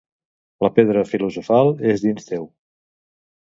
La pedra filosofal és dins teu